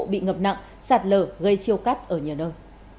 bị ngập nặng sạt lở gây chia cắt ở nhiều nơi